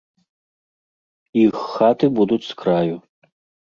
Іх хаты будуць с краю.